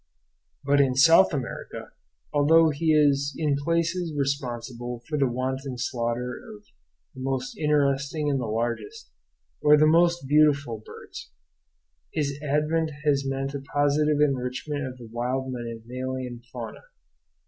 But in South America, although he is in places responsible for the wanton slaughter of the most interesting and the largest, or the most beautiful, birds, his advent has meant a positive enrichment of the wild mammalian fauna.